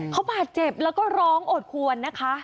เขาบาดเจ็บแล้วก็ร้องโอดควรนะคะ